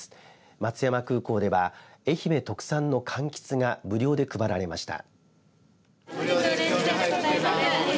松山空港では愛媛特産のかんきつが無料で配られました。